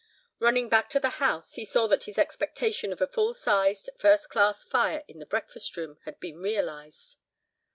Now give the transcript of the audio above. Running back to the house, he saw that his expectation of a full sized, first class fire in the breakfast room had been realised.